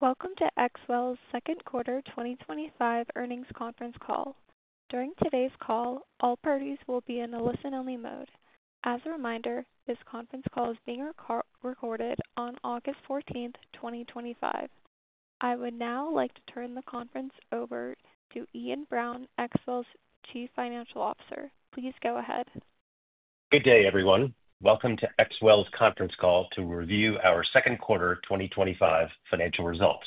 Welcome to XWELL's Second Quarter 2025 Earnings Conference Call. During today's call, all parties will be in a listen-only mode. As a reminder, this conference call is being recorded on August 14, 2025. I would now like to turn the conference over to Ian Brown, XWELL's Chief Financial Officer. Please go ahead. Good day, everyone. Welcome to XWELL's Conference Call to review our second quarter 2025 financial results.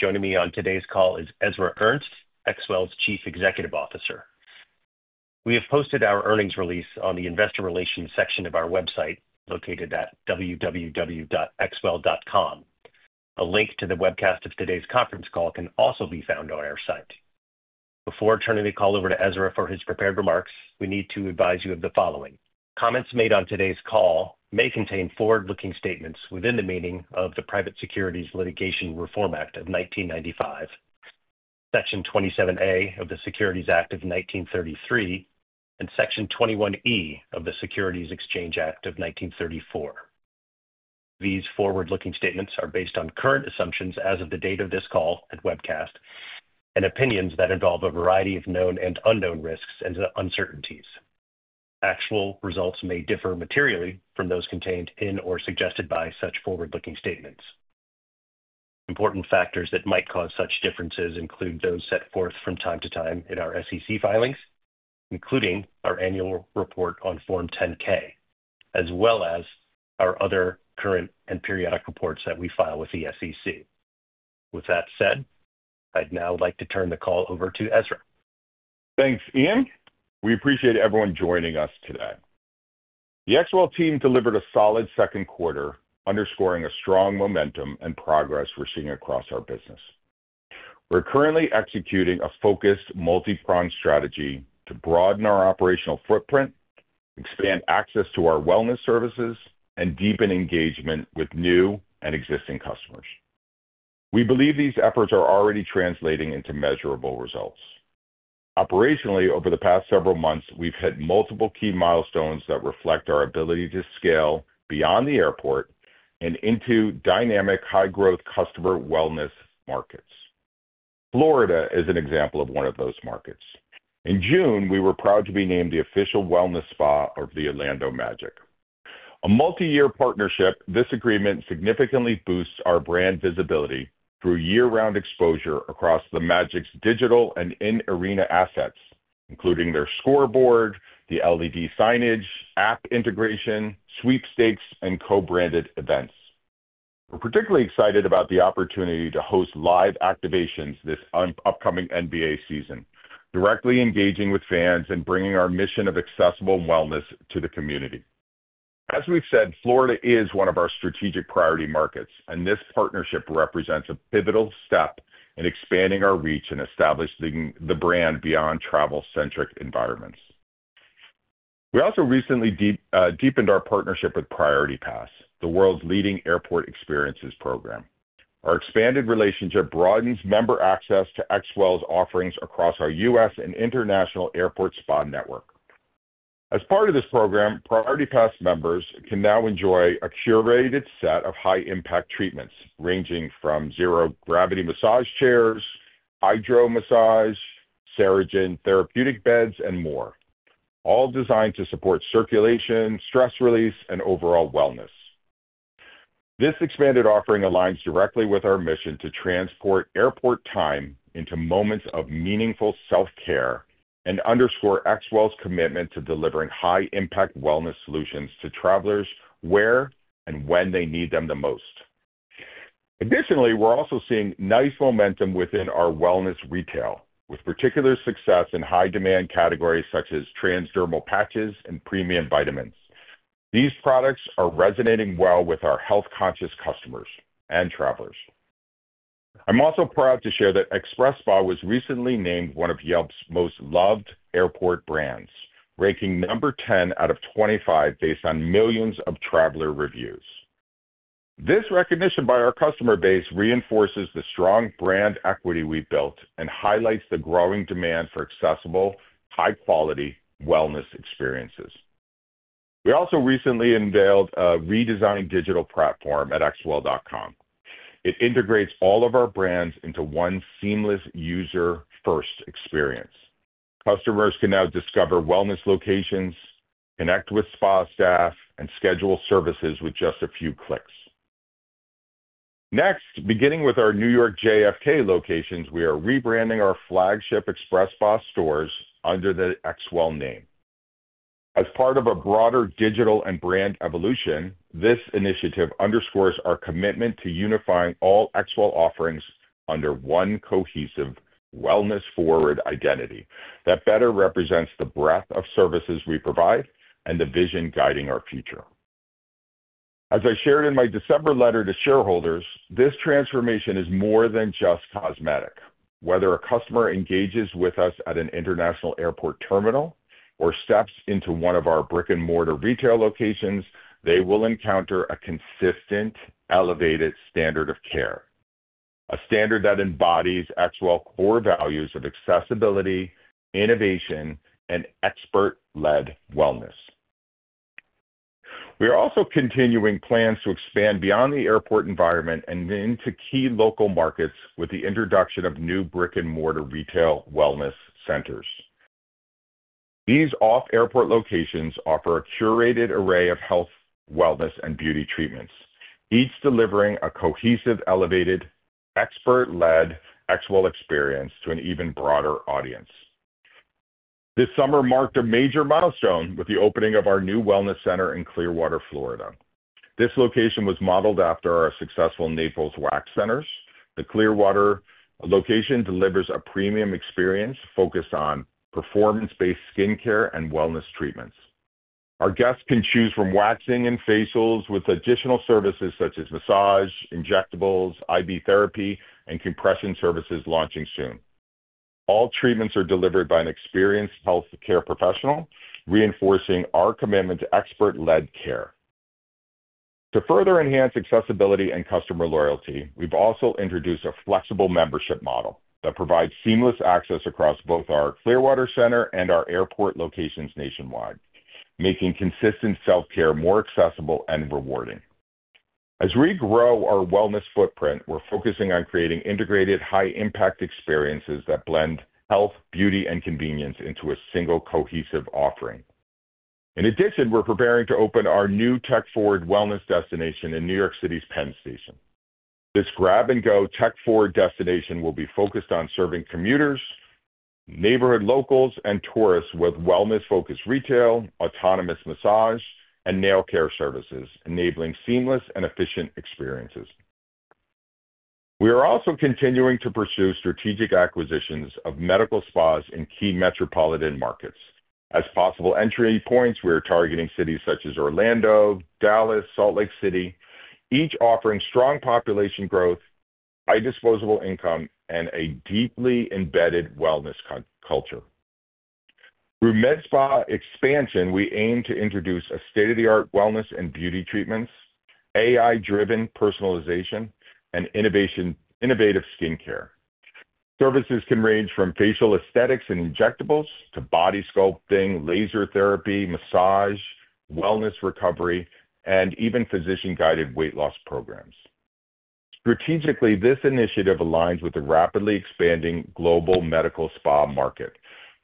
Joining me on today's call is Ezra Ernst, XWELL Chief Executive Officer. We have posted our earnings release on the Investor Relations section of our website, located at www.xwell.com. A link to the webcast of today's conference call can also be found on our site. Before turning the call over to Ezra for his prepared remarks, we need to advise you of the following. Comments made on today's call may contain forward-looking statements within the meaning of the Private Securities Litigation Reform Act of 1995, Section 27A of the Securities Act of 1933, and Section 21E of the Securities Exchange Act of 1934. These forward-looking statements are based on current assumptions as of the date of this call and webcast, and opinions that involve a variety of known and unknown risks and uncertainties. Actual results may differ materially from those contained in or suggested by such forward-looking statements. Important factors that might cause such differences include those set forth from time to time in our SEC filings, including our annual report on Form 10-K, as well as our other current and periodic reports that we file with the SEC. With that said, I'd now like to turn the call over to Ezra. Thanks, Ian. We appreciate everyone joining us today. The XWELL team delivered a solid second quarter, underscoring the strong momentum and progress we're seeing across our business. We're currently executing a focused multi-prong strategy to broaden our operational footprint, expand access to our wellness services, and deepen engagement with new and existing customers. We believe these efforts are already translating into measurable results. Operationally, over the past several months, we've hit multiple key milestones that reflect our ability to scale beyond the airport and into dynamic, high-growth customer wellness markets. Florida is an example of one of those markets. In June, we were proud to be named the official wellness spa of the Orlando Magic. A multi-year partnership, this agreement significantly boosts our brand visibility through year-round exposure across the Magic's digital and in-arena assets, including their scoreboard, the LED signage, app integration, sweepstakes, and co-branded events. We're particularly excited about the opportunity to host live activations this upcoming NBA season, directly engaging with fans and bringing our mission of accessible wellness to the community. As we've said, Florida is one of our strategic priority markets, and this partnership represents a pivotal step in expanding our reach and establishing the brand beyond travel-centric environments. We also recently deepened our partnership with Priority Pass, the world's leading airport experiences program. Our expanded relationship broadens member access to XWELL's offerings across our U.S., and international airport spa network. As part of this program, Priority Pass members can now enjoy a curated set of high-impact treatments ranging from zero-gravity massage chairs, hydro massage, Saragen therapeutic beds, and more, all designed to support circulation, stress release, and overall wellness. This expanded offering aligns directly with our mission to transport airport time into moments of meaningful self-care and underscore XWELL's commitment to delivering high-impact wellness solutions to travelers where and when they need them the most. Additionally, we're also seeing nice momentum within our wellness retail, with particular success in high-demand categories such as transdermal patches and premium vitamins. These products are resonating well with our health-conscious customers and travelers. I'm also proud to share that XpresSpa was recently named one of Yelp's most loved airport brands, ranking number 10 out of 25 based on millions of traveler reviews. This recognition by our customer base reinforces the strong brand equity we've built and highlights the growing demand for accessible, high-quality wellness experiences. We also recently unveiled a redesigned digital platform at xwell.com. It integrates all of our brands into one seamless user-first experience. Customers can now discover wellness locations, connect with spa staff, and schedule services with just a few clicks. Next, beginning with our New York JFK locations, we are rebranding our flagship XpresSpa stores under the XWELL name. As part of a broader digital and brand evolution, this initiative underscores our commitment to unifying all XWELL offerings under one cohesive, wellness-forward identity that better represents the breadth of services we provide and the vision guiding our future. As I shared in my December letter to shareholders, this transformation is more than just cosmetic. Whether a customer engages with us at an international airport terminal or steps into one of our brick-and-mortar retail locations, they will encounter a consistent, elevated standard of care, a standard that embodies XWELL core values of accessibility, innovation, and expert-led wellness. We are also continuing plans to expand beyond the airport environment and into key local markets with the introduction of new brick-and-mortar retail wellness centers. These off-airport locations offer a curated array of health, wellness, and beauty treatments, each delivering a cohesive, elevated, expert-led XWELL experience to an even broader audience. This summer marked a major milestone with the opening of our new wellness center in Clearwater, Florida. This location was modeled after our successful Naples Wax Center. The Clearwater location delivers a premium experience focused on performance-based skincare and wellness treatments. Our guests can choose from waxing and facials with additional services such as massage, injectables, IV therapy, and compression services launching soon. All treatments are delivered by an experienced healthcare professional, reinforcing our commitment to expert-led care. To further enhance accessibility and customer loyalty, we've also introduced a flexible membership model that provides seamless access across both our Clearwater center and our airport locations nationwide, making consistent self-care more accessible and rewarding. As we grow our wellness footprint, we're focusing on creating integrated, high-impact experiences that blend health, beauty, and convenience into a single cohesive offering. In addition, we're preparing to open our new tech-forward wellness destination in New York City's Penn Station. This grab-and-go tech-forward destination will be focused on serving commuters, neighborhood locals, and tourists with wellness-focused retail, autonomous massage chairs, and nail care services, enabling seamless and efficient experiences. We are also continuing to pursue strategic acquisitions of medical spas in key metropolitan markets. As possible entry points, we are targeting cities such as Orlando, Dallas, and Salt Lake City, each offering strong population growth, high disposable income, and a deeply embedded wellness culture. Through MedSpa expansion, we aim to introduce state-of-the-art wellness and beauty treatments, AI-driven personalization, and innovative skincare. Services can range from facial aesthetics and injectables to body sculpting, laser therapy, massage, wellness recovery, and even physician-guided weight loss programs. Strategically, this initiative aligns with the rapidly expanding global medical spa market,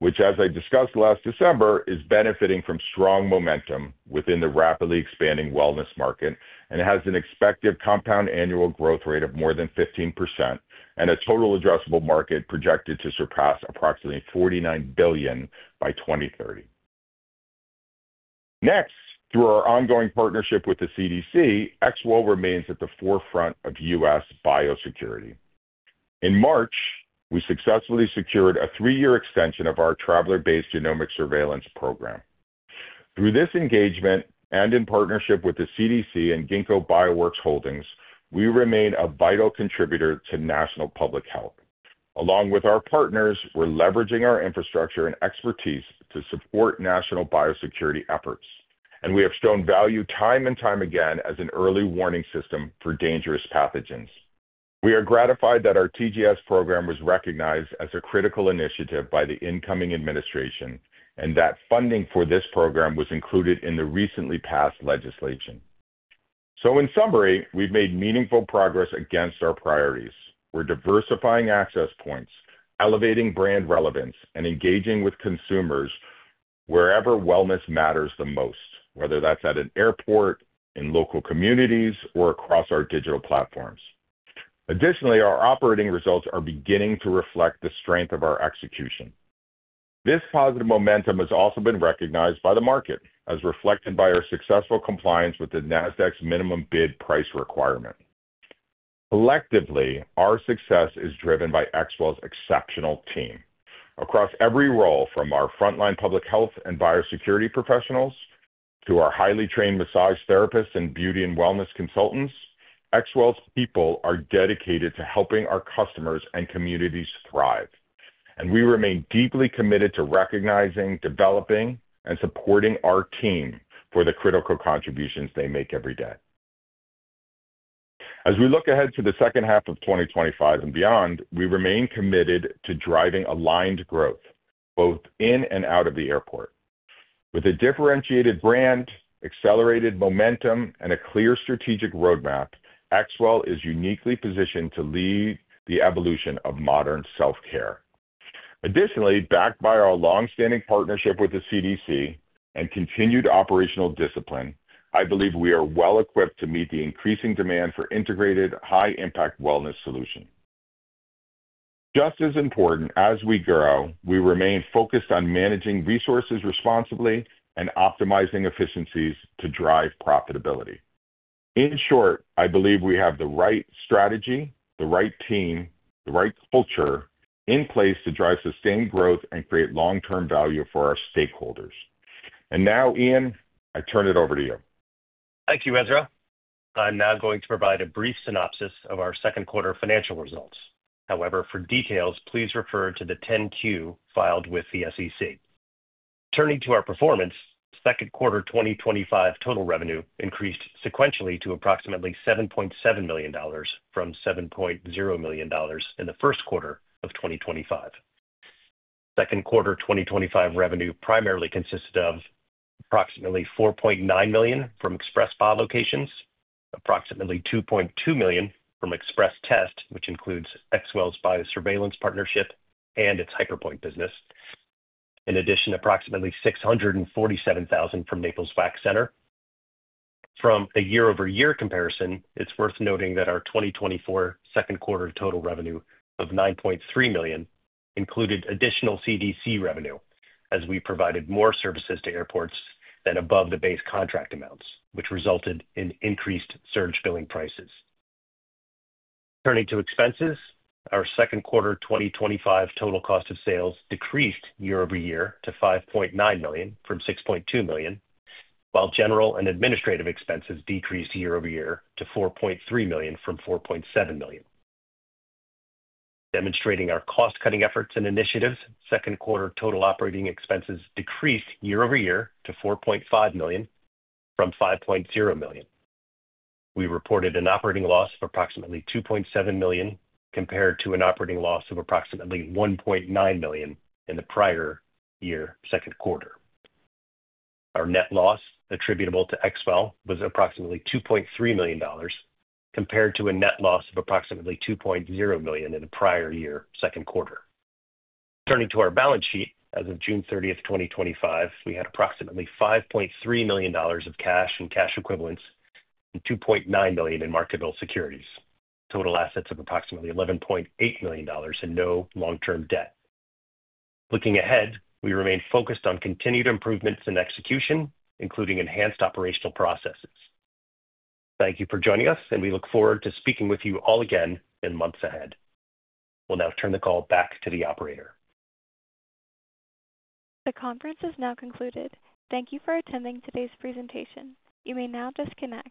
which, as I discussed last December, is benefiting from strong momentum within the rapidly expanding wellness market and has an expected compound annual growth rate of more than 15% and a total addressable market projected to surpass approximately $49 billion by 2030. Next, through our ongoing partnership with the CDC, XWELL Inc. remains at the forefront of U.S., biosecurity. In March, we successfully secured a three-year extension of our traveler-based genomic surveillance program. Through this engagement and in partnership with the CDC and Ginkgo Bioworks Holdings, Inc. We remain a vital contributor to national public health. Along with our partners, we're leveraging our infrastructure and expertise to support national biosecurity efforts, and we have shown value time and time again as an early warning system for dangerous pathogens. We are gratified that our TGS program was recognized as a critical initiative by the incoming administration and that funding for this program was included in the recently passed legislation. In summary, we've made meaningful progress against our priorities. We're diversifying access points, elevating brand relevance, and engaging with consumers wherever wellness matters the most, whether that's at an airport, in local communities, or across our digital platforms. Additionally, our operating results are beginning to reflect the strength of our execution. This positive momentum has also been recognized by the market, as reflected by our successful compliance with the Nasdaq's minimum bid price requirement. Collectively, our success is driven by XWELL's exceptional team. Across every role, from our frontline public health and biosecurity professionals to our highly trained massage therapists and beauty and wellness consultants, XWELL's people are dedicated to helping our customers and communities thrive. We remain deeply committed to recognizing, developing, and supporting our team for the critical contributions they make every day. As we look ahead to the second half of 2025 and beyond, we remain committed to driving aligned growth, both in and out of the airport. With a differentiated brand, accelerated momentum, and a clear strategic roadmap, XWELL is uniquely positioned to lead the evolution of modern self-care. Additionally, backed by our longstanding partnership with the CDC and continued operational discipline, I believe we are well-equipped to meet the increasing demand for integrated, high-impact wellness solutions. Just as important as we grow, we remain focused on managing resources responsibly and optimizing efficiencies to drive profitability. In short, I believe we have the right strategy, the right team, the right culture in place to drive sustained growth and create long-term value for our stakeholders. Now, Ian, I turn it over to you. Thank you, Ezra. I'm now going to provide a brief synopsis of our second quarter financial results. However, for details, please refer to the 10-Q filed with the SEC. Turning to our performance, second quarter 2025 total revenue increased sequentially to approximately $7.7 million from $7.0 million in the first quarter of 2025. Second quarter 2025 revenue primarily consisted of approximately $4.9 million from XpresSpa locations, approximately $2.2 million from XpresTest, which includes XWELL's biosurveillance partnership and its HyperPointe business, in addition to approximately $647,000 from Naples Wax Center. From a year-over-year comparison, it's worth noting that our 2024 second quarter total revenue of $9.3 million included additional CDC revenue as we provided more services to airports than above the base contract amounts, which resulted in increased surge billing prices. Turning to expenses, our second quarter 2025 total cost of sales decreased year-over-year to $5.9 million from $6.2 million, while general and administrative expenses decreased year-over-year to $4.3 million from $4.7 million. Demonstrating our cost-cutting efforts and initiatives, second quarter total operating expenses decreased year-over-year to $4.5 million from $5.0 million. We reported an operating loss of approximately $2.7 million compared to an operating loss of approximately $1.9 million in the prior year second quarter. Our net loss attributable to XWELL was approximately $2.3 million compared to a net loss of approximately $2.0 million in the prior year second quarter. Turning to our balance sheet, as of June 30, 2025, we had approximately $5.3 million of cash and cash equivalents and $2.9 million in marketable securities, total assets of approximately $11.8 million and no long-term debt. Looking ahead, we remain focused on continued improvements in execution, including enhanced operational processes. Thank you for joining us, and we look forward to speaking with you all again in months ahead. We'll now turn the call back to the operator. The conference is now concluded. Thank you for attending today's presentation. You may now disconnect.